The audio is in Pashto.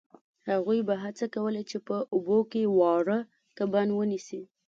هغوی به هڅه کوله چې په اوبو کې واړه کبان ونیسي